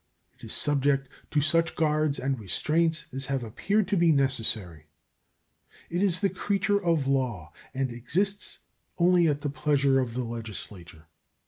It is subjected to such guards and restraints as have appeared to be necessary. It is the creature of law and exists only at the pleasure of the Legislature.